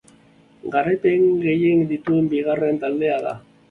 Garaipen gehien dituen bigarren taldea da.